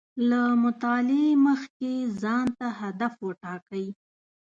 له مطالعې مخکې ځان ته هدف و ټاکئ